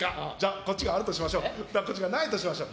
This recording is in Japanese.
こっちがないとしましょう。